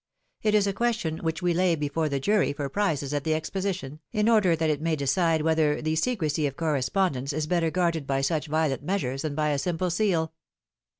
It is a question, which we lay before the jury for prizes at the Exposition, in order that it may decide whether the secrecy of correspondence is better guarded by such violent measures than by a simple seal.